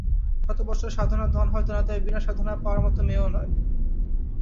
শত বৎসর সাধনার ধন হয়তো নয়, তবে বিনা সাধনায় পাওয়ার মতো মেয়েও নয়।